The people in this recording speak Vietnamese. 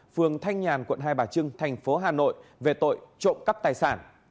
phường thanh nhàn quận hai bà trưng thành phố hà nội về tội trộm cắp tài sản